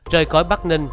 rời khỏi bắc ninh